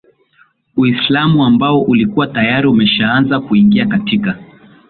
Uislamu ambao ulikuwa tayari umeshaaza kuingia katika